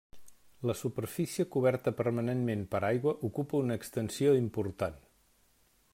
La superfície coberta permanentment per aigua ocupa una extensió important.